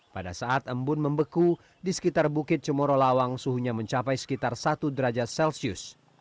pada saat embun membeku di sekitar bukit cemoro lawang suhunya mencapai sekitar satu derajat celcius